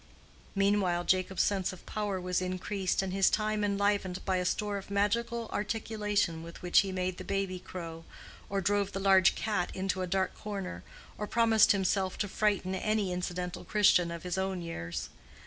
Meanwhile Jacob's sense of power was increased and his time enlivened by a store of magical articulation with which he made the baby crow, or drove the large cat into a dark corner, or promised himself to frighten any incidental Christian of his own years.